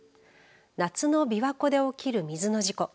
夏の琵琶湖で起きる水の事故。